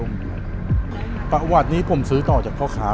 ไม่รู้ว่ามีคนติดละนาด